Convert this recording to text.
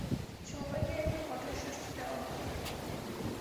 সবাইকে এখন কঠোর শাস্তি দেওয়া হবে।